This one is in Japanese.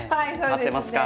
合ってますか？